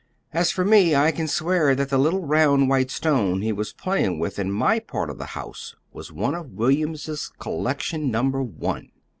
As for me, I can swear that the little round white stone he was playing with in my part of the house was one of William's Collection Number One.